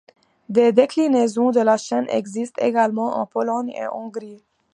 Des déclinaisons de la chaîne existent également en Pologne et Hongrie.